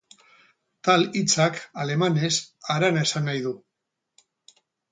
Tal hitzak, alemanez, harana esan nahi du.